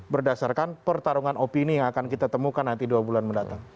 berdasarkan pertarungan opini yang akan kita temukan nanti dua bulan mendatang